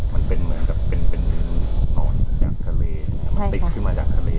มันเป็นเหมือนกับเป็นนอนจากทะเลแต่มันติดขึ้นมาจากทะเล